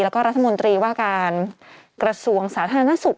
แล้วก็รัฐมนตรีว่าการกระทรวงสถานศักดิ์หน้าสุข